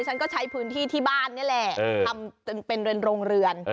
ฉันก็ใช้พื้นที่ที่บ้านนี่แหละทำเป็นเรือนโรงเรือน